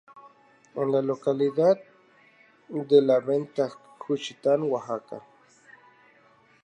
En la localidad de La Venta Juchitán; Oax.